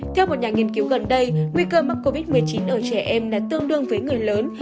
theo một nhà nghiên cứu gần đây nguy cơ mắc covid một mươi chín ở trẻ em là tương đương với người lớn